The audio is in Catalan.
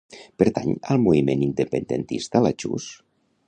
Pertany al moviment independentista la Chus?